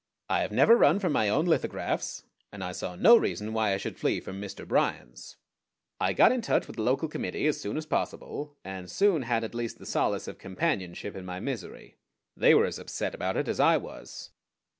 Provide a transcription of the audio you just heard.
I have never run from my own lithographs, and I saw no reason why I should flee from Mr. Bryan's. I got in touch with the local committee as soon as possible, and soon had at least the solace of companionship in my misery. They were as upset about it as I was.